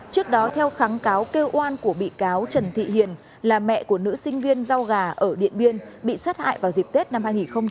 trước đó theo kháng cáo kêu oan của bị cáo trần thị hiền là mẹ của nữ sinh viên rau gà ở điện biên bị sát hại vào dịp tết năm hai nghìn một mươi chín